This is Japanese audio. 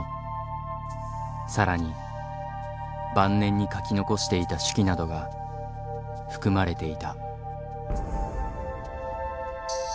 更に晩年に書き残していた手記などが含まれていた。